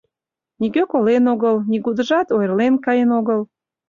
Нигӧ колен огыл, нигудыжат ойырлен каен огыл.